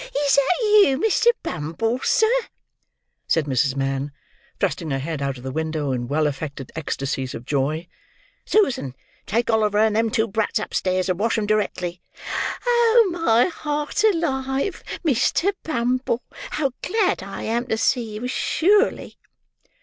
Is that you, Mr. Bumble, sir?" said Mrs. Mann, thrusting her head out of the window in well affected ecstasies of joy. "(Susan, take Oliver and them two brats upstairs, and wash 'em directly.)—My heart alive! Mr. Bumble, how glad I am to see you, sure ly!"